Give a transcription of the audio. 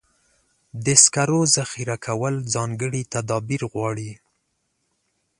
د سکرو ذخیره کول ځانګړي تدابیر غواړي.